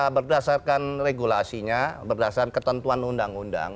berdasarkan regulasinya berdasarkan ketentuan undang undang